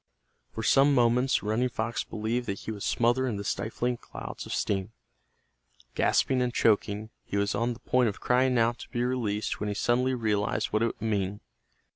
For some moments Running Fox believed that he would smother in the stifling clouds of steam. Gasping and choking, he was on the point of crying out to be released when he suddenly realized what it would mean.